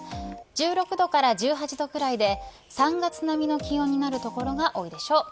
１６度から１８度ぐらいで３月並みの気温になる所が多いでしょう。